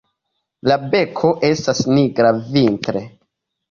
La beko estas nigra vintre.